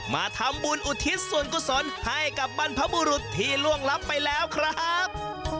มาทำบุญอุทิศส่วนกุศลให้กับบรรพบุรุษที่ล่วงลับไปแล้วครับ